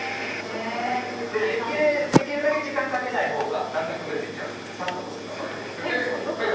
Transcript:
できるだけ時間かけないほうがだんだん崩れていっちゃうのでサッといったほうが。